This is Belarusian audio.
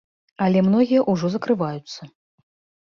Але многія ўжо закрываюцца.